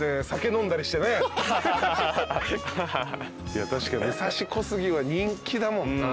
いや確かに武蔵小杉は人気だもんな。